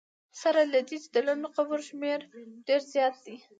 سره له دې چې د لنډو خبرو شمېر ډېر زیات دی.